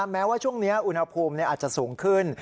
แม้ว่าช่วงนี้อุณหภูมิอาจจะสูงขึ้น